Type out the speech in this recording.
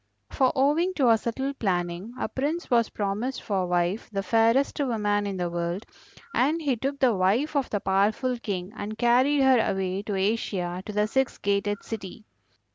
For owing to her subtle planning a Prince was promised for wife the fairest woman in the world, and he took the wife of the powerful King and carried her away to Asia to the six gated city.